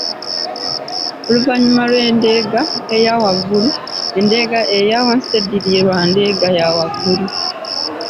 Oluvannyuma lw’endeega eya waggulu, endeega eya wansi teddirirwa ndeega ya waggulu